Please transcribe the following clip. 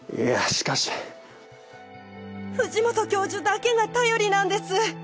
しかし藤本教授だけが頼りなんです